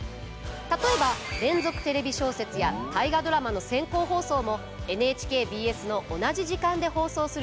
例えば「連続テレビ小説」や「大河ドラマ」の先行放送もＮＨＫＢＳの同じ時間で放送する予定です。